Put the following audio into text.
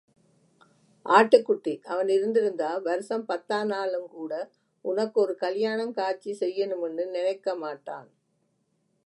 ஆட்டுக்குட்டி...... அவன் இருந்திருந்தா, வருஷம் பத்தானாலும்கூட உனக்கு ஒரு கல்யாணங் காச்சி செய்யனுமின்னு நெனைக்க மாட்டான்.